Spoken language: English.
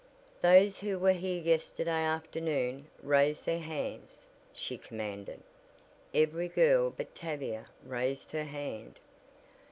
"Those who were here yesterday afternoon raise their hands," she commanded. Every girl but Tavia raised her hand.